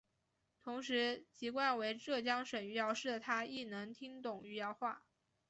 亦在此时顾福生鼓励三毛学习写作。